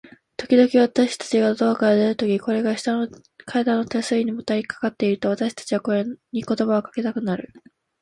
ときどき、私たちがドアから出るとき、これが下の階段の手すりにもたれかかっていると、私たちはこれに言葉をかけたくなる。